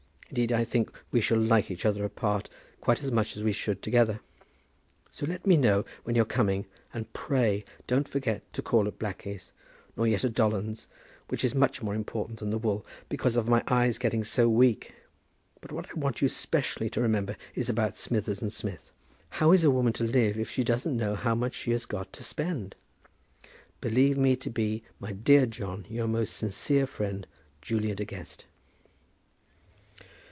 Indeed I think we shall like each other apart quite as much as we should together. So let me know when you're coming, and pray don't forget to call at Blackie's; nor yet at Dolland's, which is much more important than the wool, because of my eyes getting so weak. But what I want you specially to remember is about Smithers and Smith. How is a woman to live if she doesn't know how much she has got to spend? Believe me to be, my dear John, Your most sincere friend, JULIA DE GUEST.